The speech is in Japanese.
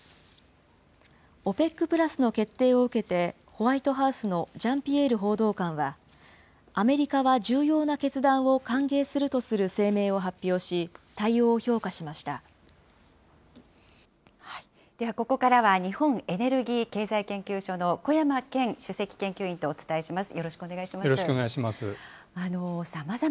ＯＰＥＣプラスの決定を受けて、ホワイトハウスのジャンピエール報道官は、アメリカは重要な決断を歓迎するとする声明を発表し、では、ここからは日本エネルギー経済研究所の小山堅首席研究員とお伝えします。